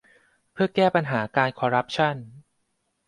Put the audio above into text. เพื่อแก้ปัญหาการคอร์รัปชั่น